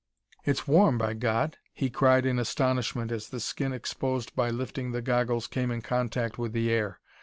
"It's warm, by God!" he cried in astonishment as the skin exposed by lifting the goggles came in contact with the air.